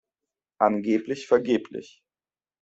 Angeblich vergeblich!